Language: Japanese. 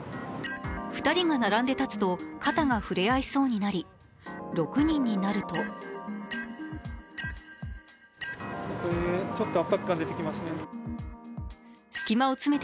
２人が並んで立つと、肩が触れ合いそうになり６人になるとちょっと圧迫感出てきますね。